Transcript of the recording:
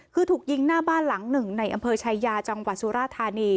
คือถูกยิงหน้าบ้านหลังหนึ่งในอำเภอชายาจังหวัดสุราธานี